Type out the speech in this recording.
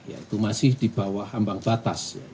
yaitu masih di bawah ambang batas